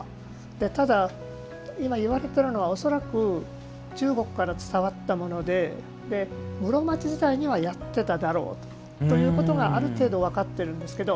ただ、今言われているのは恐らく中国から伝わったもので室町時代にはやっていただろうということがある程度、分かってるんですけど。